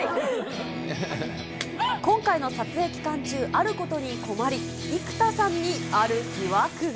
今回の撮影期間中、あることに困り、生田さんにある疑惑が。